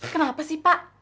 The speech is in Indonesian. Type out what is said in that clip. kenapa sih pak